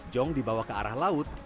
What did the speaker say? jong dibawa ke arah laut